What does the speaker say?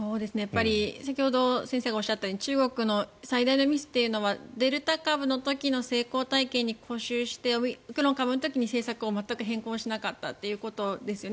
先ほど先生がおっしゃったように中国の最大のミスというのはデルタ株の時の成功体験に固執して、オミクロン株の時に政策を全く変更しなかったということですよね。